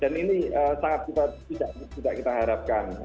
dan ini sangat tidak tidak tidak kita harapkan